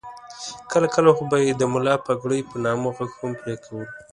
کله کله خو به یې د ملا پګړۍ په نامه غږ هم پرې کولو.